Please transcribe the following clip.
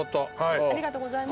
ありがとうございます。